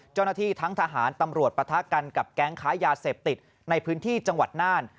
เจ้าหน้าที่ทั้งทหารตำรวจปะทะกันกับแก๊งค้ายาเสพติดในพื้นที่จังหวัดน่าน